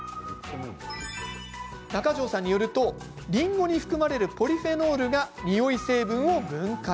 中城さんによるとりんごに含まれるポリフェノールがにおい成分を分解。